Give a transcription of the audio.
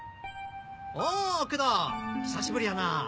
お工藤久しぶりやな！